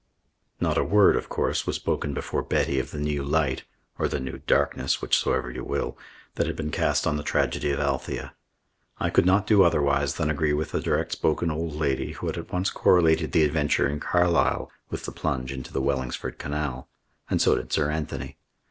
Not a word, of course, was spoken before Betty of the new light, or the new darkness, whichsoever you will, that had been cast on the tragedy of Althea. I could not do otherwise than agree with the direct spoken old lady who had at once correlated the adventure in Carlisle with the plunge into the Wellingsford Canal. And so did Sir Anthony.